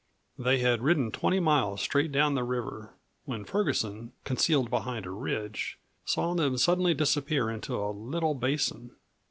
They had ridden twenty miles straight down the river, when Ferguson, concealed behind a ridge, saw them suddenly disappear into a little basin.